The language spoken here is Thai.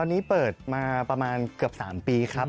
ตอนนี้เปิดมาประมาณเกือบ๓ปีครับ